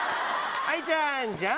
はい、じゃんじゃん。